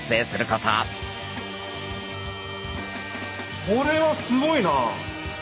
これはすごいな！